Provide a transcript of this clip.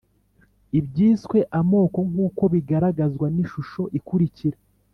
ibyiswe amoko nkuko bigaragazwa nishusho ikurikira